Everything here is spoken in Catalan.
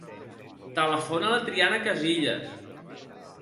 Telefona a la Triana Casillas.